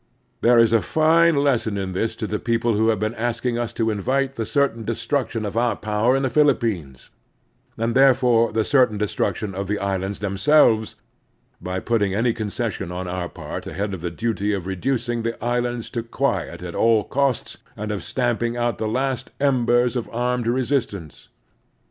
There is a fine lesson in this to the people who have been asking us to invite the certain destruc tion of our power in the Philippines, and therefore the certain destruction of the islands themselves, by putting any concession on our part ahead of the duty of reducing the islands to quiet at all costs and of stamping out the last embers of armed resistance.